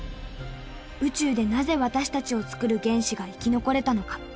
宇宙でなぜ私たちをつくる原子が生き残れたのか？